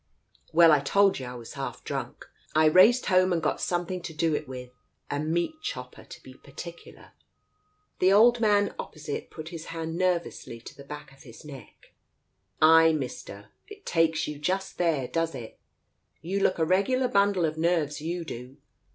Well — I told you I was half drunk — I raced home and got something to do it with — a meat chopper — to be particular "^~ Digitized by Google 146 TALES OF THE UNEASY The old man opposite put his hand nervously to the back of his neck. " Ay, Mister, it takes you just there, does it ? You look a regular bundle of nerves, you do.